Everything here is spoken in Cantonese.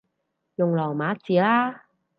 用羅馬字啦